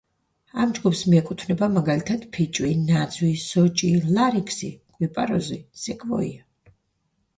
ამ ჯგუფს მიეკუთვნება მაგალითად, ფიჭვი, ნაძვი, სოჭი, ლარიქსი, კვიპაროზი, სეკვოია.